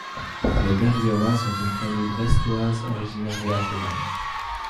Les Bergevin sont une famille Brestoise originaire de la Touraine.